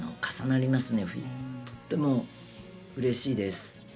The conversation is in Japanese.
とってもうれしいです。